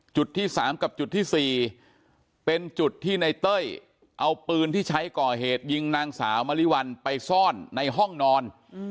จุดที่๓กับจุดที่๔เป็นจุดที่ในเต้ยเอาปืนที่ใช้ก่อเหตุยิงนางสาวมริวัลไปซ่อนในห้องนอน